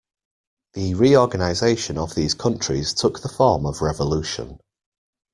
The reorganization of these countries took the form of revolution.